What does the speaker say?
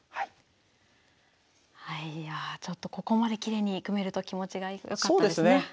いやちょっとここまできれいに組めると気持ちが良かったですね。